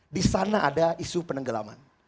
di sana ada isu penenggelaman